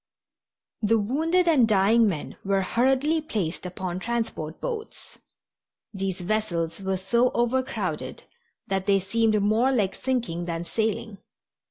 The wounded and dying men were hurriedly placed upon transport boats. These vessels were so overcrowded that they seemed more like sinking than sailing.